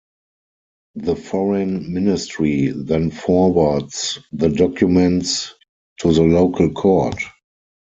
The foreign ministry then forwards the documents to the local court.